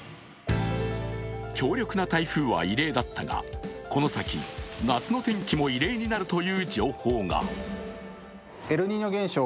強力な台風は異例だったがこの先、夏の天気も異例になるという情報が。